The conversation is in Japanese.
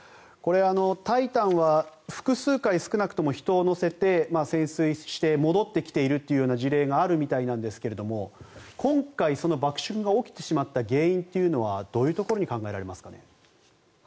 「タイタン」は複数回少なくとも人を乗せて潜水して戻ってきているという事例があるみたいなんですが今回、爆縮が起きてしまった原因というのはどういうところに考えられますかね。